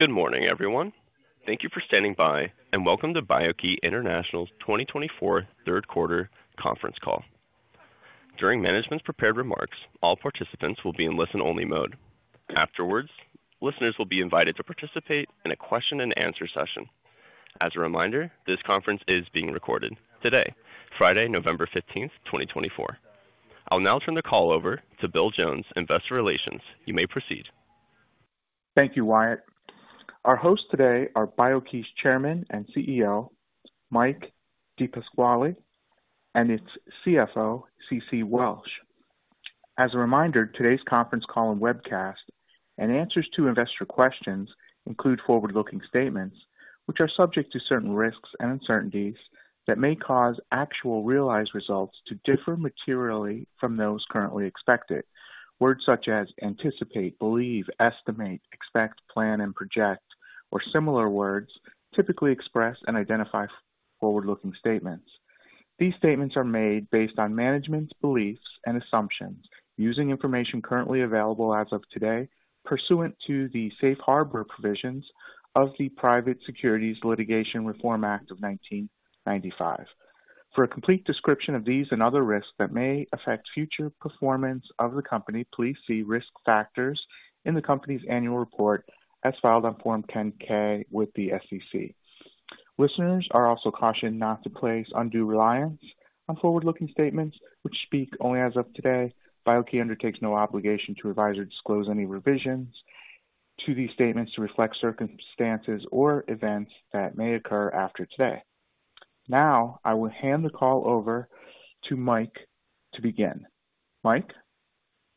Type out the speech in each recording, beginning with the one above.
Good morning, everyone. Thank you for standing by, and welcome to BIO-key International's 2024 Third Quarter Conference Call. During management's prepared remarks, all participants will be in listen-only mode. Afterwards, listeners will be invited to participate in a question-and-answer session. As a reminder, this conference is being recorded today, Friday, November 15th, 2024. I'll now turn the call over to Bill Jones, Investor Relations. You may proceed. Thank you, Wyatt. Our hosts today are BIO-key's Chairman and CEO, Mike DePasquale, and its CFO, Ceci Welch. As a reminder, today's conference call and webcast, and answers to investor questions, include forward-looking statements, which are subject to certain risks and uncertainties that may cause actual realized results to differ materially from those currently expected. Words such as anticipate, believe, estimate, expect, plan, and project, or similar words typically express and identify forward-looking statements. These statements are made based on management's beliefs and assumptions using information currently available as of today, pursuant to the safe harbor provisions of the Private Securities Litigation Reform Act of 1995. For a complete description of these and other risks that may affect future performance of the company, please see risk factors in the company's annual report as filed on Form 10-K with the SEC. Listeners are also cautioned not to place undue reliance on forward-looking statements, which speak only as of today. BIO-key undertakes no obligation to advise or disclose any revisions to these statements to reflect circumstances or events that may occur after today. Now, I will hand the call over to Mike to begin. Mike.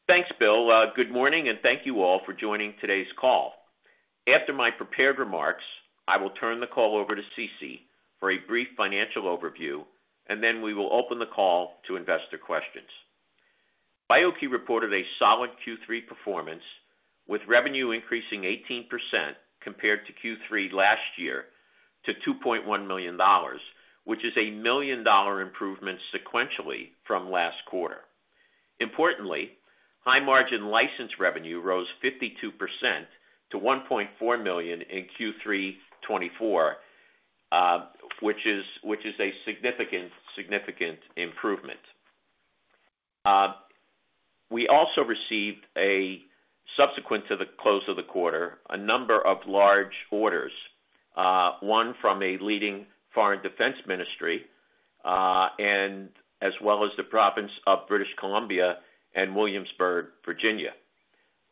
Thanks, Bill. Good morning, and thank you all for joining today's call. After my prepared remarks, I will turn the call over to Ceci for a brief financial overview, and then we will open the call to investor questions. BIO-key reported a solid Q3 performance, with revenue increasing 18% compared to Q3 last year to $2.1 million, which is a million-dollar improvement sequentially from last quarter. Importantly, high-margin license revenue rose 52% to $1.4 million in Q3 2024, which is a significant improvement. We also received, subsequent to the close of the quarter, a number of large orders, one from a leading foreign defense ministry as well as the province of British Columbia and Williamsburg, Virginia.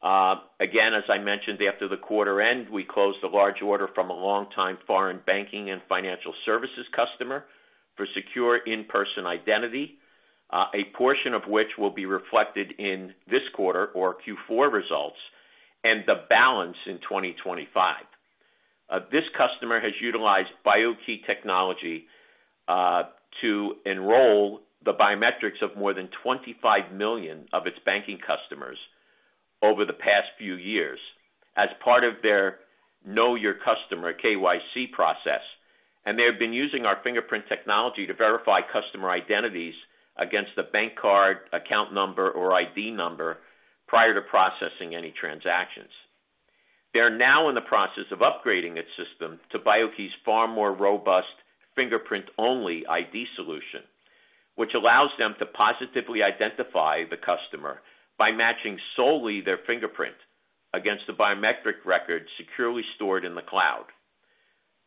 Again, as I mentioned, after the quarter end, we closed a large order from a longtime foreign banking and financial services customer for secure in-person identity, a portion of which will be reflected in this quarter, or Q4 results, and the balance in 2025. This customer has utilized BIO-key technology to enroll the biometrics of more than 25 million of its banking customers over the past few years as part of their Know Your Customer (KYC) process, and they have been using our fingerprint technology to verify customer identities against a bank card, account number, or ID number prior to processing any transactions. They are now in the process of upgrading its system to BIO-key's far more robust fingerprint-only ID solution, which allows them to positively identify the customer by matching solely their fingerprint against the biometric record securely stored in the cloud.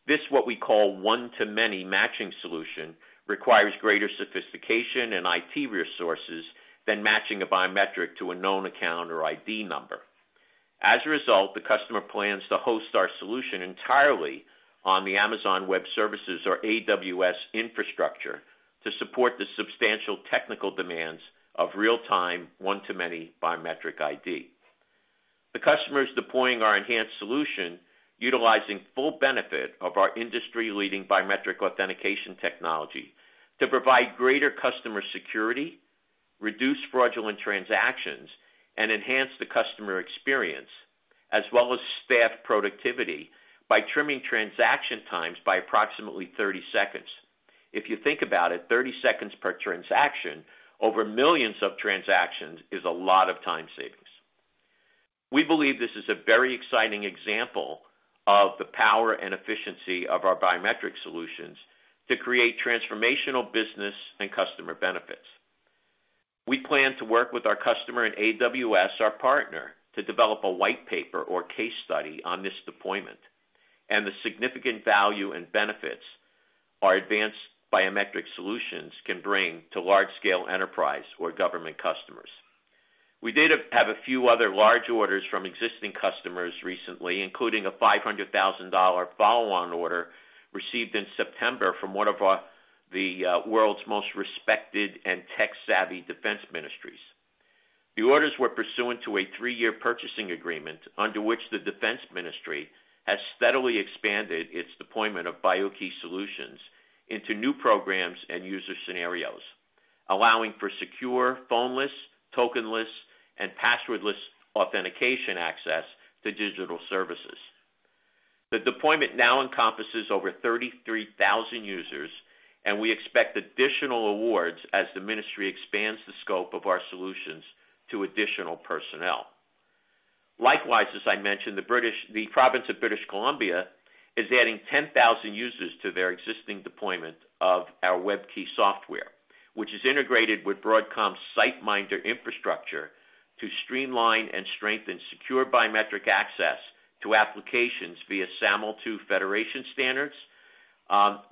This, what we call one-to-many matching solution, requires greater sophistication and IT resources than matching a biometric to a known account or ID number. As a result, the customer plans to host our solution entirely on the Amazon Web Services or AWS infrastructure to support the substantial technical demands of real-time one-to-many biometric ID. The customer is deploying our enhanced solution, utilizing full benefit of our industry-leading biometric authentication technology to provide greater customer security, reduce fraudulent transactions, and enhance the customer experience, as well as staff productivity by trimming transaction times by approximately 30 seconds. If you think about it, 30 seconds per transaction over millions of transactions is a lot of time savings. We believe this is a very exciting example of the power and efficiency of our biometric solutions to create transformational business and customer benefits. We plan to work with our customer and AWS, our partner, to develop a white paper or case study on this deployment and the significant value and benefits our advanced biometric solutions can bring to large-scale enterprise or government customers. We did have a few other large orders from existing customers recently, including a $500,000 follow-on order received in September from one of the world's most respected and tech-savvy defense ministries. The orders were pursuant to a three-year purchasing agreement under which the Defense Ministry has steadily expanded its deployment of BIO-key solutions into new programs and user scenarios, allowing for secure, phone-less, token-less, and password-less authentication access to digital services. The deployment now encompasses over 33,000 users, and we expect additional awards as the ministry expands the scope of our solutions to additional personnel. Likewise, as I mentioned, the province of British Columbia is adding 10,000 users to their existing deployment of our WEB-key software, which is integrated with Broadcom's SiteMinder infrastructure to streamline and strengthen secure biometric access to applications via SAML 2 federation standards.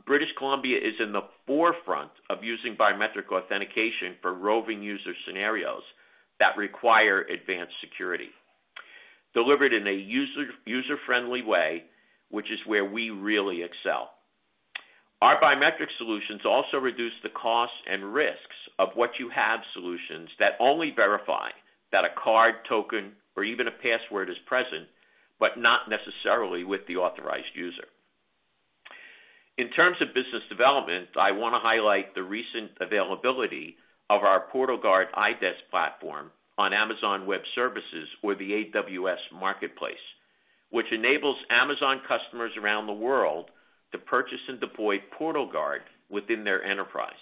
British Columbia is in the forefront of using biometric authentication for roving user scenarios that require advanced security, delivered in a user-friendly way, which is where we really excel. Our biometric solutions also reduce the costs and risks of what-you-have solutions that only verify that a card, token, or even a password is present, but not necessarily with the authorized user. In terms of business development, I want to highlight the recent availability of our PortalGuard iDesk platform on Amazon Web Services or the AWS Marketplace, which enables Amazon customers around the world to purchase and deploy PortalGuard within their enterprise.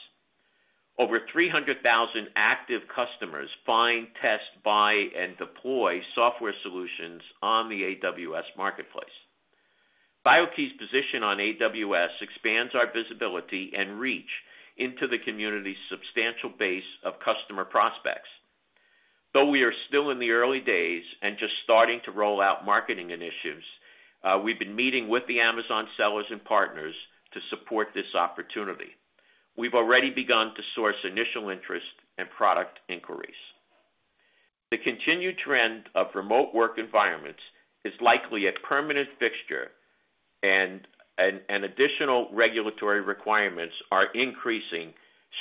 Over 300,000 active customers find, test, buy, and deploy software solutions on the AWS Marketplace. BIO-key's position on AWS expands our visibility and reach into the community's substantial base of customer prospects. Though we are still in the early days and just starting to roll out marketing initiatives, we've been meeting with the Amazon sellers and partners to support this opportunity. We've already begun to source initial interest and product inquiries. The continued trend of remote work environments is likely a permanent fixture, and additional regulatory requirements are increasing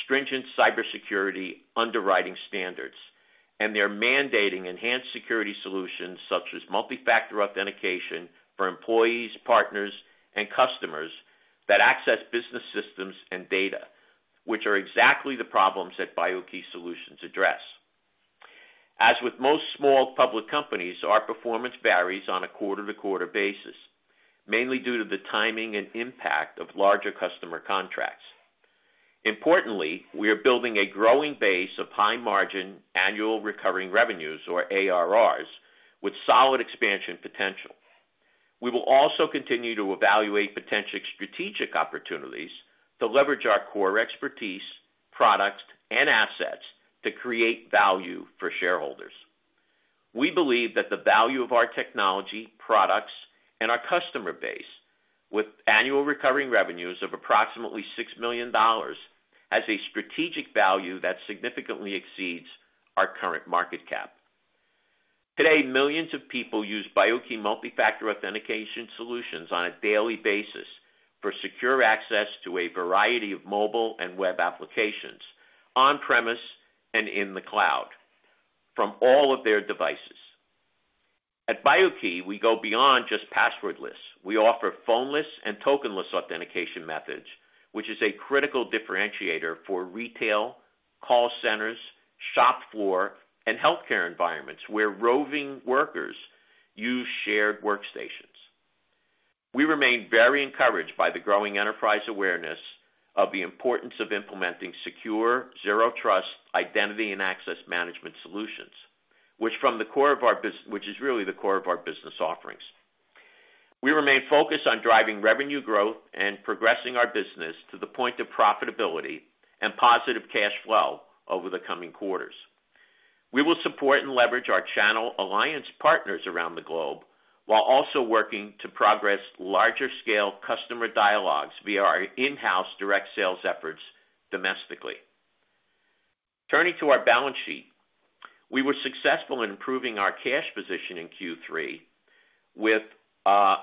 stringent cybersecurity underwriting standards, and they're mandating enhanced security solutions such as multi-factor authentication for employees, partners, and customers that access business systems and data, which are exactly the problems that BIO-key solutions address. As with most small public companies, our performance varies on a quarter-to-quarter basis, mainly due to the timing and impact of larger customer contracts. Importantly, we are building a growing base of high-margin annual recurring revenues, or ARRs, with solid expansion potential. We will also continue to evaluate potential strategic opportunities to leverage our core expertise, products, and assets to create value for shareholders. We believe that the value of our technology, products, and our customer base, with annual recurring revenues of approximately $6 million, has a strategic value that significantly exceeds our current market cap. Today, millions of people use BIO-key multi-factor authentication solutions on a daily basis for secure access to a variety of mobile and web applications, on-premise and in the cloud, from all of their devices. At BIO-key, we go beyond just passwordless. We offer phone-less and token-less authentication methods, which is a critical differentiator for retail, call centers, shop floor, and healthcare environments where roving workers use shared workstations. We remain very encouraged by the growing enterprise awareness of the importance of implementing secure, zero-trust identity and access management solutions, which is really the core of our business offerings. We remain focused on driving revenue growth and progressing our business to the point of profitability and positive cash flow over the coming quarters. We will support and leverage our channel alliance partners around the globe while also working to progress larger-scale customer dialogues via our in-house direct sales efforts domestically. Turning to our balance sheet, we were successful in improving our cash position in Q3 with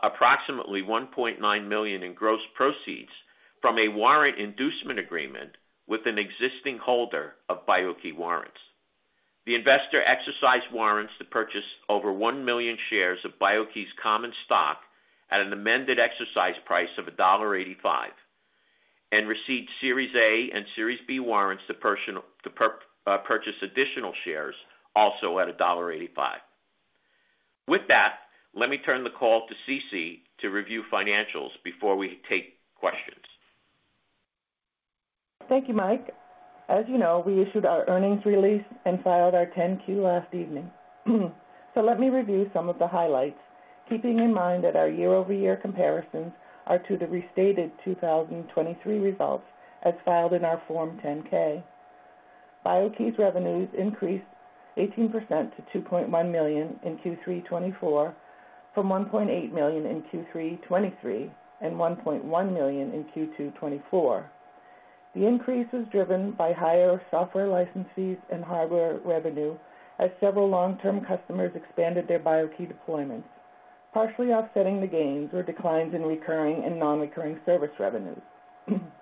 approximately $1.9 million in gross proceeds from a warrant inducement agreement with an existing holder of BIO-key warrants. The investor exercised warrants to purchase over one million shares of BIO-key's common stock at an amended exercise price of $1.85 and received Series A and Series B Warrants to purchase additional shares also at $1.85. With that, let me turn the call to Ceci to review financials before we take questions. Thank you, Mike. As you know, we issued our earnings release and filed our 10-Q last evening. So let me review some of the highlights, keeping in mind that our year-over-year comparisons are to the restated 2023 results as filed in our Form 10-K. BIO-key's revenues increased 18% to $2.1 million in Q3 2024 from $1.8 million in Q3 2023 and $1.1 million in Q2 2024. The increase was driven by higher software licenses and hardware revenue as several long-term customers expanded their BIO-key deployments, partially offsetting the gains or declines in recurring and non-recurring service revenues.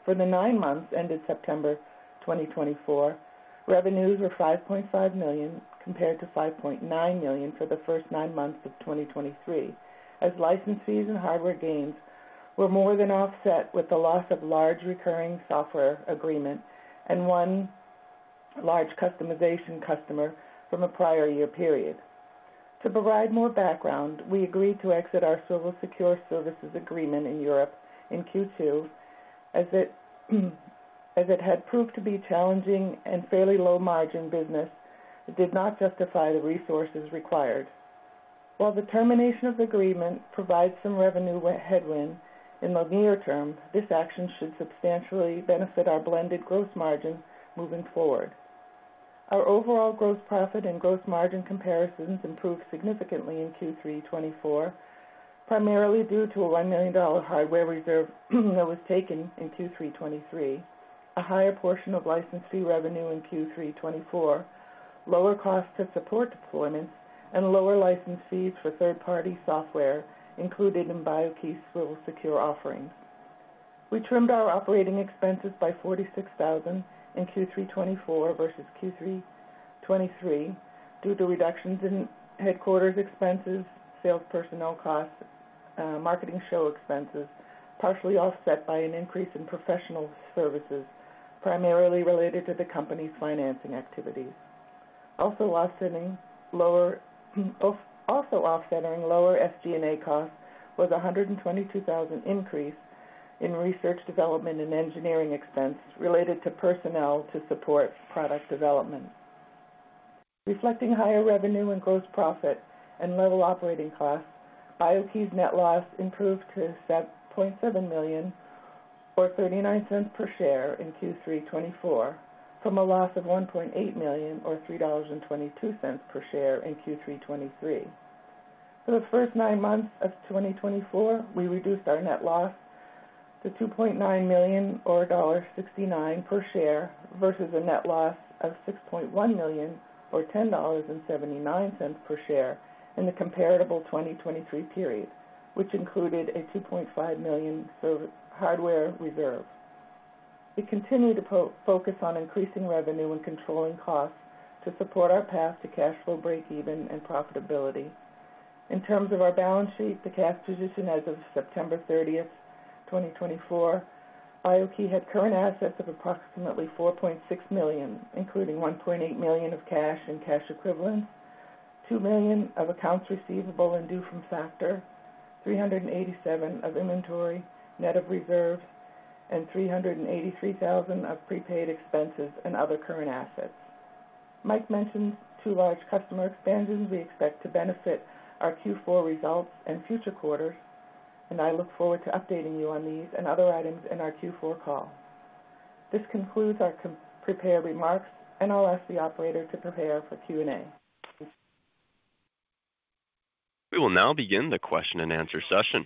For the nine months ended September 2024, revenues were $5.5 million compared to $5.9 million for the first nine months of 2023, as license fees and hardware gains were more than offset with the loss of large recurring software agreement and one large customization customer from a prior year period. To provide more background, we agreed to exit our civil secure services agreement in Europe in Q2 as it had proved to be challenging and fairly low-margin business that did not justify the resources required. While the termination of the agreement provides some revenue headwind in the near term, this action should substantially benefit our blended gross margin moving forward. Our overall gross profit and gross margin comparisons improved significantly in Q3 2024, primarily due to a $1 million hardware reserve that was taken in Q3 2023, a higher portion of license fee revenue in Q3 2024, lower costs to support deployments, and lower license fees for third-party software included in BIO-key's civil secure offerings. We trimmed our operating expenses by $46,000 in Q3 2024 versus Q3 2023 due to reductions in headquarters expenses, sales personnel costs, marketing show expenses, partially offset by an increase in professional services primarily related to the company's financing activities. Also offsetting lower SG&A costs was a $122,000 increase in research, development, and engineering expenses related to personnel to support product development. Reflecting higher revenue and gross profit and lower operating costs, BIO-key's net loss improved to $7.7 million, or $0.39 per share in Q3 2024, from a loss of $1.8 million, or $3.22 per share in Q3 2023. For the first nine months of 2024, we reduced our net loss to $2.9 million, or $69 per share, versus a net loss of $6.1 million, or $10.79 per share in the comparable 2023 period, which included a $2.5 million hardware reserve. We continue to focus on increasing revenue and controlling costs to support our path to cash flow break-even and profitability. In terms of our balance sheet, the cash position as of September 30th, 2024, BIO-key had current assets of approximately $4.6 million, including $1.8 million of cash and cash equivalents, $2 million of accounts receivable and due from factor, $387,000 of inventory, net of reserves, and $383,000 of prepaid expenses and other current assets. Mike mentioned two large customer expansions we expect to benefit our Q4 results and future quarters, and I look forward to updating you on these and other items in our Q4 call. This concludes our prepared remarks, and I'll ask the operator to prepare for Q&A. We will now begin the question and answer session.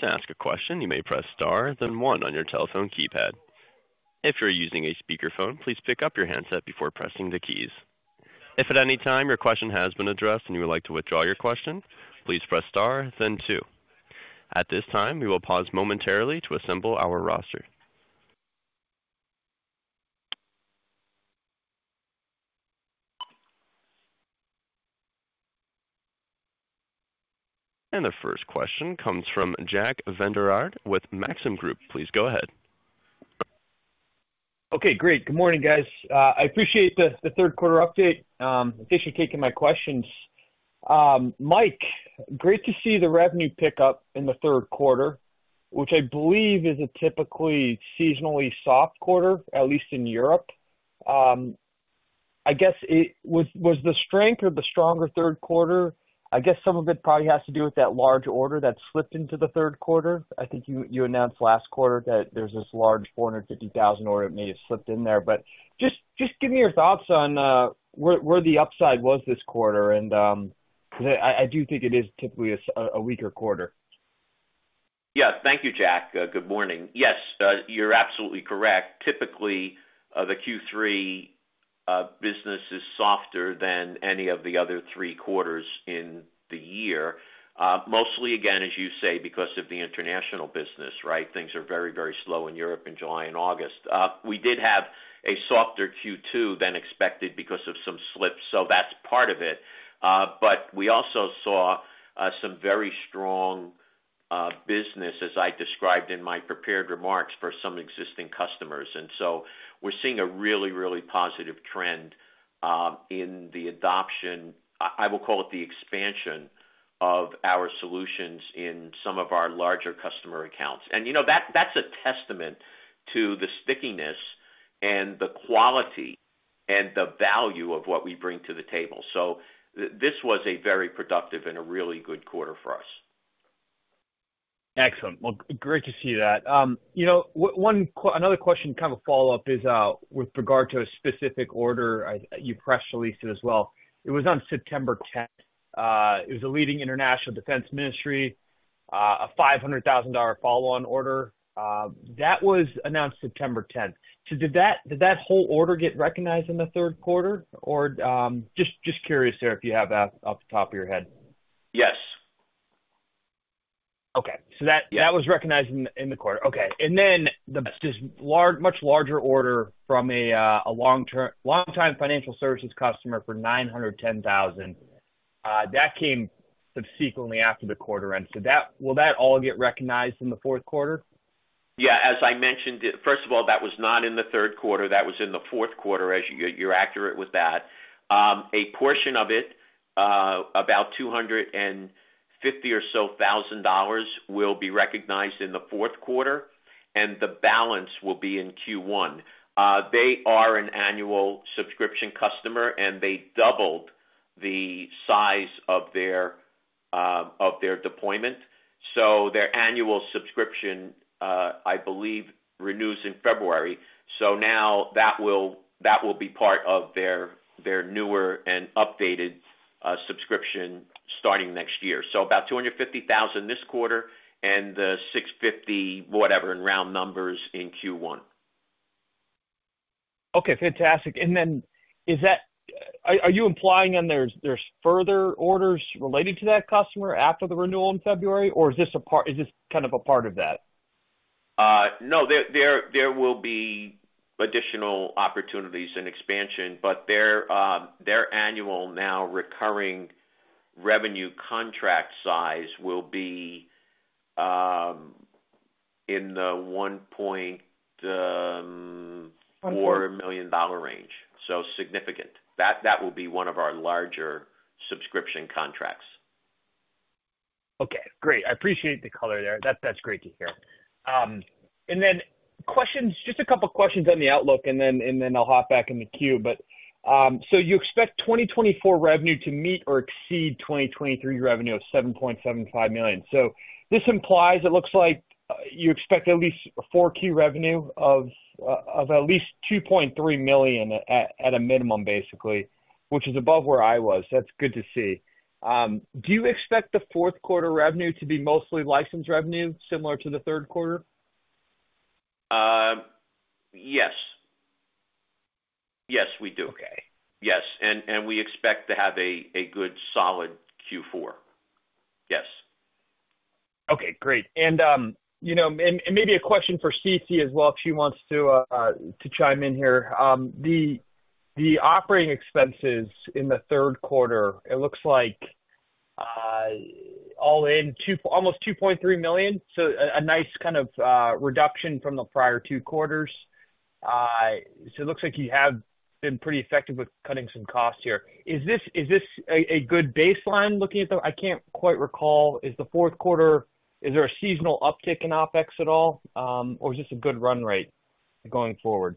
To ask a question, you may press star, then one on your telephone keypad. If you're using a speakerphone, please pick up your handset before pressing the keys. If at any time your question has been addressed and you would like to withdraw your question, please press star, then two. At this time, we will pause momentarily to assemble our roster. The first question comes from Jack Vander Aarde with Maxim Group. Please go ahead. Okay, great. Good morning, guys. I appreciate the third-quarter update. I appreciate taking my questions. Mike, great to see the revenue pick up in the third quarter, which I believe is a typically seasonally soft quarter, at least in Europe. I guess, was the strength or the stronger third quarter? I guess some of it probably has to do with that large order that slipped into the third quarter. I think you announced last quarter that there's this large $450,000 order that may have slipped in there. But just give me your thoughts on where the upside was this quarter, because I do think it is typically a weaker quarter. Yes. Thank you, Jack. Good morning. Yes, you're absolutely correct. Typically, the Q3 business is softer than any of the other three quarters in the year, mostly, again, as you say, because of the international business, right? Things are very, very slow in Europe in July and August. We did have a softer Q2 than expected because of some slips, so that's part of it. But we also saw some very strong business, as I described in my prepared remarks, for some existing customers. And so we're seeing a really, really positive trend in the adoption, I will call it the expansion, of our solutions in some of our larger customer accounts. And that's a testament to the stickiness and the quality and the value of what we bring to the table. So this was a very productive and a really good quarter for us. Excellent. Well, great to see that. Another question, kind of a follow-up, is with regard to a specific order in your press release as well. It was on September 10th. It was a leading international defense ministry, a $500,000 follow-on order. That was announced September 10th. So did that whole order get recognized in the third quarter? Or just curious there if you have that off the top of your head. Yes. Okay. So that was recognized in the quarter. Okay. And then this much larger order from a long-time financial services customer for $910,000, that came subsequently after the quarter end. So will that all get recognized in the fourth quarter? Yeah. As I mentioned, first of all, that was not in the third quarter. That was in the fourth quarter, as you're accurate with that. A portion of it, about $250,000 or so, will be recognized in the fourth quarter, and the balance will be in Q1. They are an annual subscription customer, and they doubled the size of their deployment. So their annual subscription, I believe, renews in February. So now that will be part of their newer and updated subscription starting next year. So about $250,000 this quarter and the $650,000, whatever, in round numbers in Q1. Okay. Fantastic. And then are you implying there's further orders related to that customer after the renewal in February, or is this kind of a part of that? No, there will be additional opportunities and expansion, but their annual recurring revenue contract size will be in the $1.4 million range, so significant. That will be one of our larger subscription contracts. Okay. Great. I appreciate the color there. That's great to hear. And then just a couple of questions on the outlook, and then I'll hop back in the queue. So you expect 2024 revenue to meet or exceed 2023 revenue of $7.75 million. So this implies it looks like you expect at least Q4 revenue of at least $2.3 million at a minimum, basically, which is above where I was. That's good to see. Do you expect the fourth quarter revenue to be mostly license revenue, similar to the third quarter? Yes. Yes, we do. Yes. And we expect to have a good solid Q4. Yes. Okay. Great. And maybe a question for Ceci as well, if she wants to chime in here. The operating expenses in the third quarter, it looks like all in almost $2.3 million. So a nice kind of reduction from the prior two quarters. So it looks like you have been pretty effective with cutting some costs here. Is this a good baseline looking at the, I can't quite recall. Is the fourth quarter, is there a seasonal uptick in OpEx at all, or is this a good run rate going forward?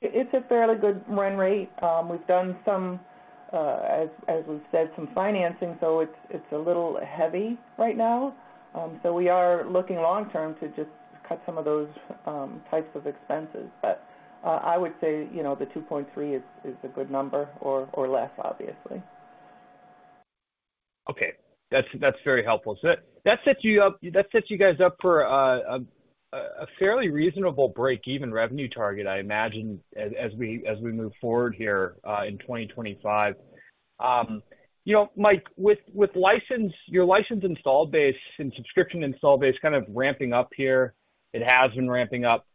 It's a fairly good run rate. We've done some, as we've said, some financing, so it's a little heavy right now. So we are looking long-term to just cut some of those types of expenses. But I would say the $2.3 million is a good number or less, obviously. Okay. That's very helpful, so that sets you guys up for a fairly reasonable break-even revenue target, I imagine, as we move forward here in 2025. Mike, with your license installed base and subscription installed base kind of ramping up here, it has been ramping up.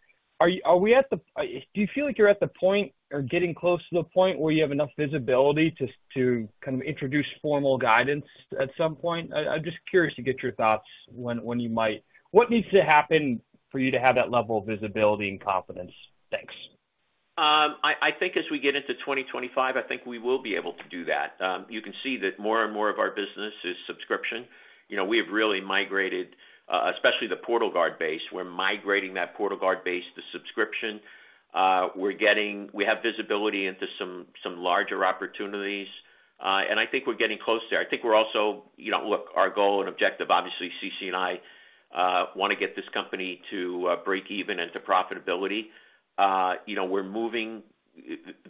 Are we at the, do you feel like you're at the point or getting close to the point where you have enough visibility to kind of introduce formal guidance at some point? I'm just curious to get your thoughts when you might. What needs to happen for you to have that level of visibility and confidence? Thanks. I think as we get into 2025, I think we will be able to do that. You can see that more and more of our business is subscription. We have really migrated, especially the PortalGuard base. We're migrating that PortalGuard base to subscription. We have visibility into some larger opportunities, and I think we're getting close there. I think we're also. Look, our goal and objective, obviously, Ceci and I want to get this company to break even and to profitability. We're moving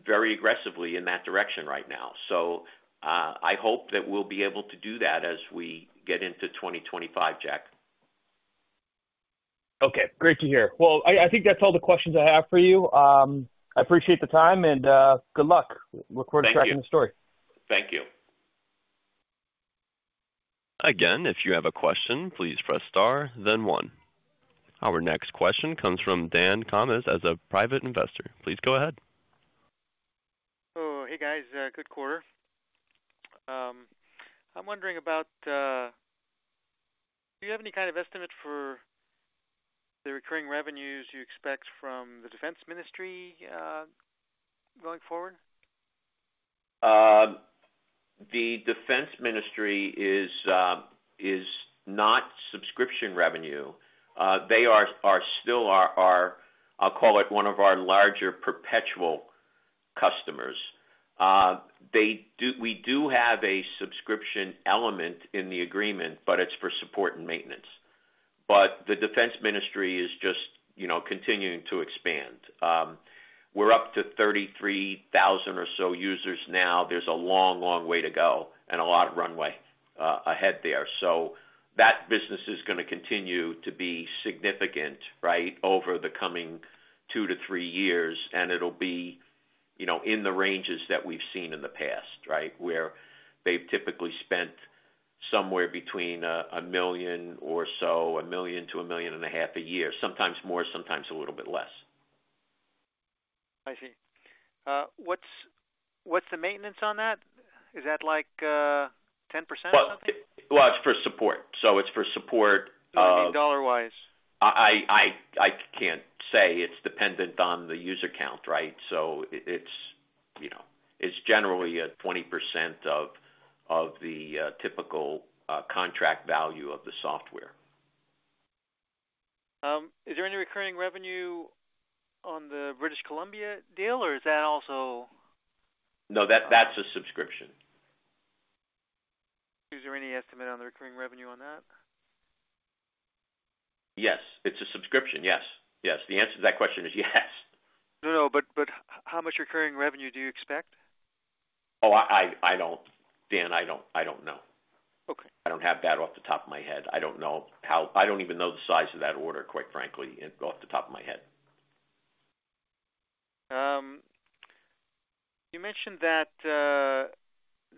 very aggressively in that direction right now. So I hope that we'll be able to do that as we get into 2025, Jack. Okay. Great to hear. Well, I think that's all the questions I have for you. I appreciate the time, and good luck. Look forward to tracking the story. Thank you. Again, if you have a question, please press star, then one. Our next question comes from Dan Commas as a private investor. Please go ahead. Hey, guys. Good quarter. I'm wondering about. Do you have any kind of estimate for the recurring revenues you expect from the Defense Ministry going forward? The Defense Ministry is not subscription revenue. They are still our, I'll call it, one of our larger perpetual customers. We do have a subscription element in the agreement, but it's for support and maintenance, but the Defense Ministry is just continuing to expand. We're up to 33,000 or so users now. There's a long, long way to go and a lot of runway ahead there, so that business is going to continue to be significant, right, over the coming two to three years, and it'll be in the ranges that we've seen in the past, right, where they've typically spent somewhere between $1 million or so, $1 million-$1.5 million a year, sometimes more, sometimes a little bit less. I see. What's the maintenance on that? Is that like 10% or something? It's for support. It's for support. How many dollar-wise? I can't say. It's dependent on the user count, right? So it's generally at 20% of the typical contract value of the software. Is there any recurring revenue on the British Columbia deal, or is that also? No, that's a subscription. Is there any estimate on the recurring revenue on that? Yes. It's a subscription, yes. Yes. The answer to that question is yes. No, no. But how much recurring revenue do you expect? Oh, I don't, Dan. I don't know. I don't have that off the top of my head. I don't know how. I don't even know the size of that order, quite frankly, off the top of my head. You mentioned that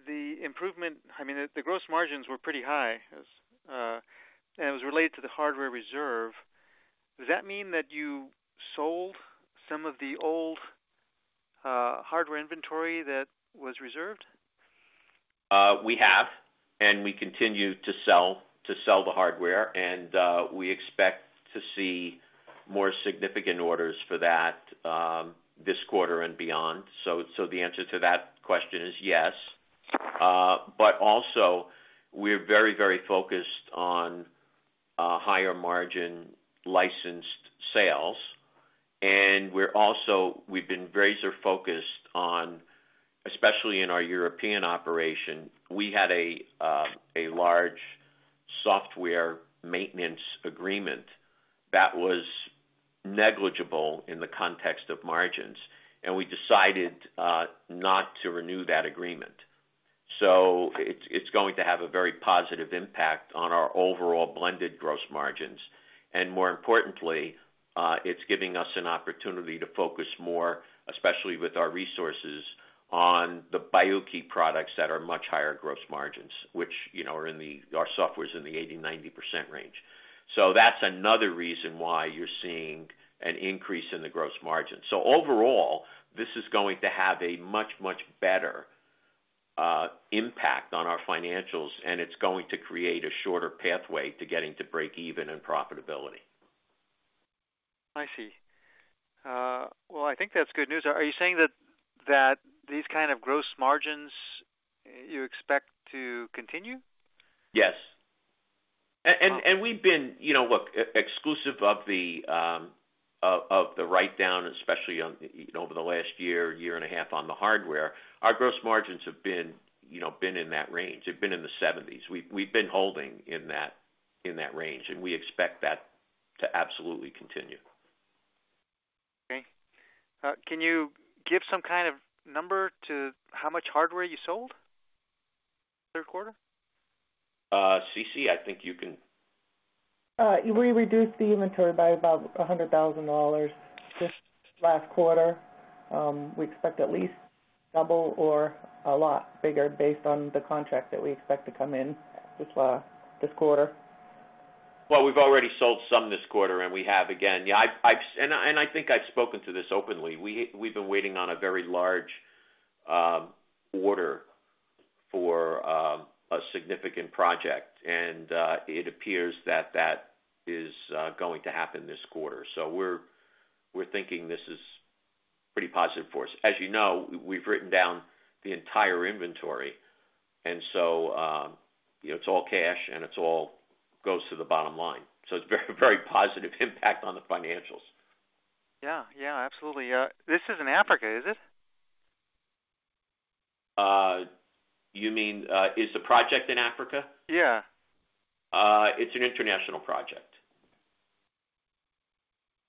the improvement, I mean, the gross margins were pretty high, and it was related to the hardware reserve. Does that mean that you sold some of the old hardware inventory that was reserved? We have, and we continue to sell the hardware, and we expect to see more significant orders for that this quarter and beyond. So the answer to that question is yes. But also, we're very, very focused on higher margin licensed sales. And we've been very focused on, especially in our European operation, we had a large software maintenance agreement that was negligible in the context of margins, and we decided not to renew that agreement. So it's going to have a very positive impact on our overall blended gross margins. And more importantly, it's giving us an opportunity to focus more, especially with our resources, on the BIO-key products that are much higher gross margins, which our software is in the 80%-90% range. So that's another reason why you're seeing an increase in the gross margins. Overall, this is going to have a much, much better impact on our financials, and it's going to create a shorter pathway to getting to break even and profitability. I see. Well, I think that's good news. Are you saying that these kind of gross margins you expect to continue? Yes. And we've been, look, exclusive of the write-down, especially over the last year, year and a half on the hardware, our gross margins have been in that range. They've been in the 70s. We've been holding in that range, and we expect that to absolutely continue. Okay. Can you give some kind of number to how much hardware you sold third quarter? Ceci, I think you can. We reduced the inventory by about $100,000 just last quarter. We expect at least double or a lot bigger based on the contract that we expect to come in this quarter. We've already sold some this quarter, and we have again. I think I've spoken to this openly. We've been waiting on a very large order for a significant project, and it appears that that is going to happen this quarter. We're thinking this is pretty positive for us. As you know, we've written down the entire inventory, and so it's all cash, and it all goes to the bottom line. It's a very positive impact on the financials. Yeah. Yeah. Absolutely. This is in Africa, is it? You mean, is the project in Africa? Yeah. It's an international project.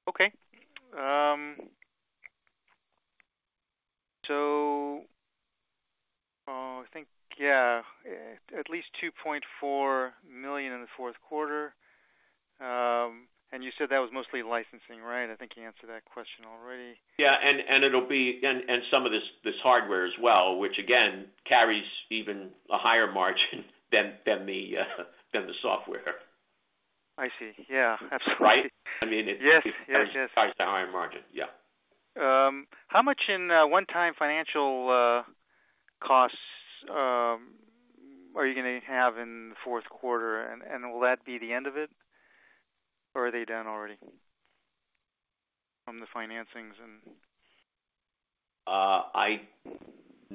Okay. So I think, yeah, at least $2.4 million in the fourth quarter. And you said that was mostly licensing, right? I think you answered that question already. Yeah. And it'll be some of this hardware as well, which, again, carries even a higher margin than the software. I see. Yeah. Absolutely. Right? I mean, it's tied to higher margin. Yeah. How much in one-time financial costs are you going to have in the fourth quarter? And will that be the end of it, or are they done already from the financings and? I'm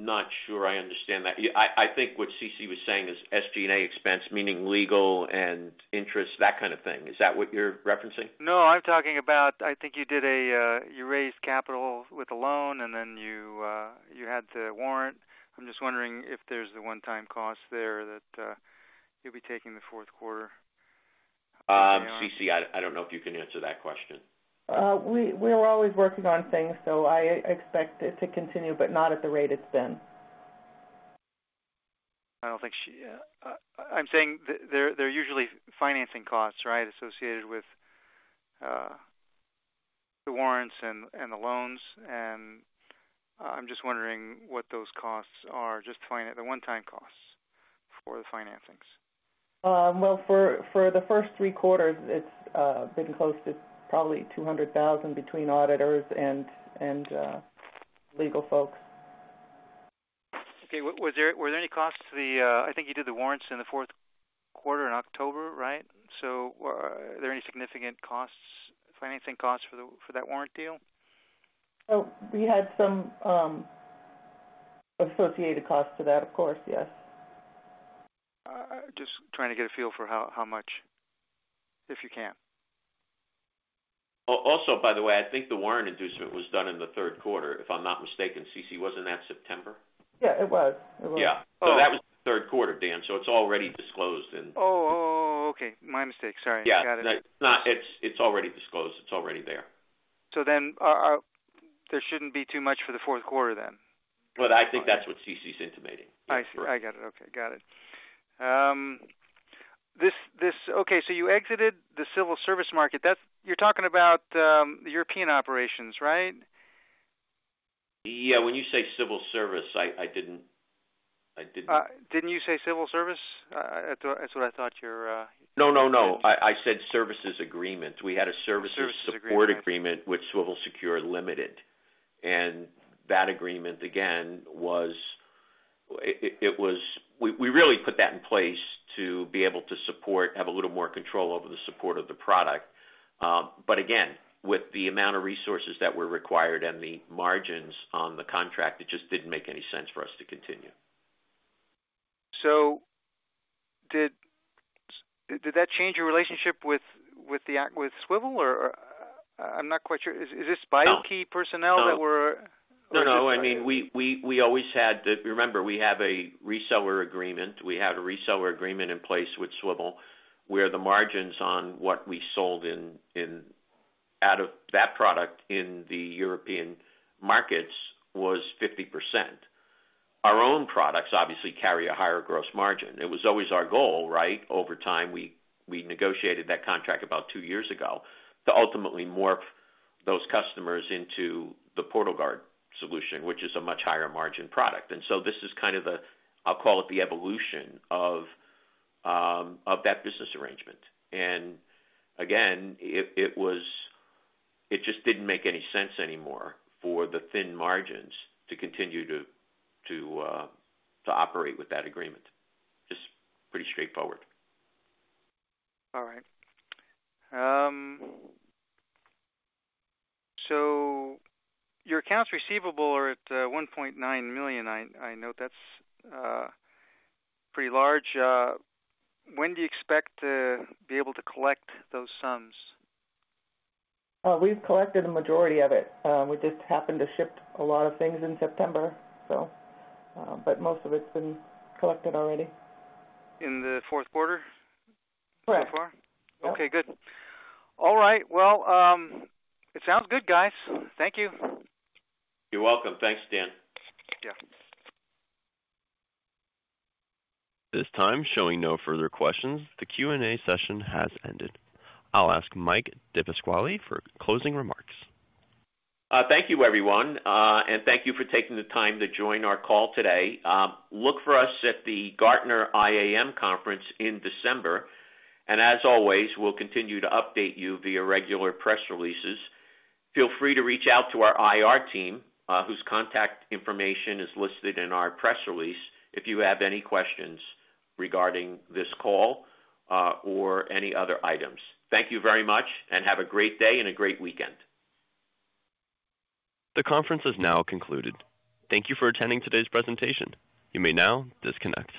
not sure I understand that. I think what Ceci was saying is SG&A expense, meaning legal and interest, that kind of thing. Is that what you're referencing? No. I'm talking about, I think you did. You raised capital with a loan, and then you had to warrant. I'm just wondering if there's a one-time cost there that you'll be taking the fourth quarter. Ceci, I don't know if you can answer that question. We're always working on things, so I expect it to continue, but not at the rate it's been. I'm saying there are usually financing costs, right, associated with the warrants and the loans. And I'm just wondering what those costs are, just to find out the one-time costs for the financings. For the first three quarters, it's been close to probably $200,000 between auditors and legal folks. Okay. Were there any costs to the, I think you did the warrants in the fourth quarter in October, right? So are there any significant costs, financing costs for that warrant deal? We had some associated costs to that, of course. Yes. Just trying to get a feel for how much, if you can. Also, by the way, I think the warrant inducement was done in the third quarter, if I'm not mistaken. Ceci, wasn't that September? Yeah, it was. It was. Yeah. So that was the third quarter, Dan. So it's already disclosed in. Oh, okay. My mistake. Sorry. I got it. Yeah. It's already disclosed. It's already there. So then there shouldn't be too much for the fourth quarter then. I think that's what Ceci's intimating. I see. I got it. Okay. Got it. Okay. So you exited the civil service market. You're talking about European operations, right? Yeah. When you say Swivel Secure, I didn't. Didn't you say Swivel Secure? That's what I thought you're. No, no, no. I said services agreement. We had a services support agreement with Swivel Secure Limited. And that agreement, again, was. We really put that in place to be able to support, have a little more control over the support of the product. But again, with the amount of resources that were required and the margins on the contract, it just didn't make any sense for us to continue. So did that change your relationship with Swivel? I'm not quite sure. Is this BIO-key personnel that were? No, no. I mean, we always had, remember, we have a reseller agreement. We had a reseller agreement in place with Swivel where the margins on what we sold out of that product in the European markets was 50%. Our own products obviously carry a higher gross margin. It was always our goal, right? Over time, we negotiated that contract about two years ago to ultimately morph those customers into the PortalGuard solution, which is a much higher margin product. And so this is kind of the, I'll call it the evolution of that business arrangement. And again, it just didn't make any sense anymore for the thin margins to continue to operate with that agreement. Just pretty straightforward. All right. So your accounts receivable are at $1.9 million. I note that's pretty large. When do you expect to be able to collect those sums? We've collected the majority of it. We just happened to ship a lot of things in September, so but most of it's been collected already. In the fourth quarter so far? Correct. Correct. Okay. Good. All right. Well, it sounds good, guys. Thank you. You're welcome. Thanks, Dan. Yeah. This time, showing no further questions, the Q&A session has ended. I'll ask Mike DePasquale for closing remarks. Thank you, everyone, and thank you for taking the time to join our call today. Look for us at the Gartner IAM Conference in December, and as always, we'll continue to update you via regular press releases. Feel free to reach out to our IR team, whose contact information is listed in our press release, if you have any questions regarding this call or any other items. Thank you very much, and have a great day and a great weekend. The conference is now concluded. Thank you for attending today's presentation. You may now disconnect.